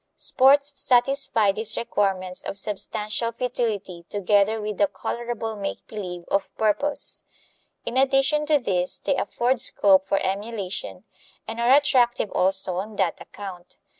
Sports satisfy these requirements of substantial futility together with a colorable make believe of purpose. In addition to this they afford scope for emulation, and are attractive also on that account.